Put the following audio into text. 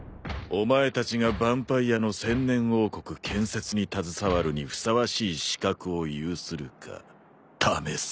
お前たちがヴァンパイアの千年王国建設に携わるにふさわしい資格を有するか試す。